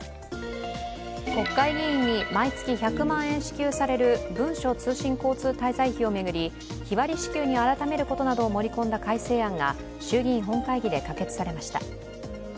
国会議員に毎月１００万円支給される文書通信交通滞在費を巡り日割り支給に改めることなどを盛り込んだ改正案が衆議院本会議で可決されました。